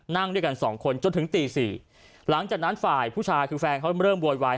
นั่งด้วยกันสองคนจนถึงตี๔หลังจากนั้นฝ่ายผู้ชายคือแฟนเขาเริ่มโวยวาย